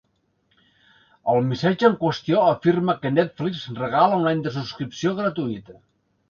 El missatge en qüestió afirma que ‘Netflix regala un any de subscripció gratuïta’.